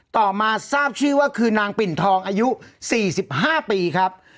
ต่อมาทราบชื่อว่าคือนางปิ่นทองอายุ๔๕ปีครับ